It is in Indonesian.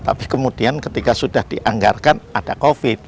tapi kemudian ketika sudah dianggarkan ada covid